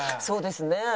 そうですね。